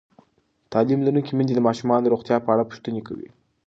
تعلیم لرونکې میندې د ماشومانو د روغتیا په اړه پوښتنې کوي.